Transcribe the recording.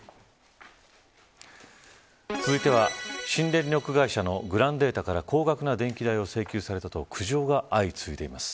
続いては新電力会社のグランデータから高額な電気代を請求されたと苦情が相次いでいます。